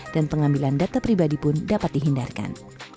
pengambilan data pribadi pun dapat dihindarkan